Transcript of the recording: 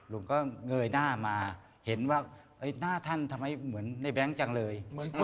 ลุงก็เงยหน้ามาเห็นว่าหน้าท่านทำไมเหมือนในแบงค์จังเลย